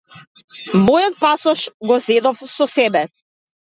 Мојот пасош го зедов со себе.